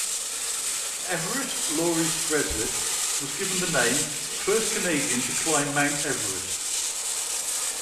Everest Laurie Skreslet was given the name first Canadian to climb Mount Everest.